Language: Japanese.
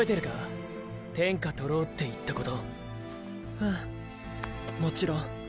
うんもちろん。